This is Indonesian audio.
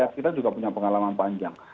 kita juga punya pengalaman panjang